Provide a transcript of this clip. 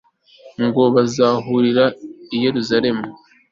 ngo bazahurire i yeruzalemu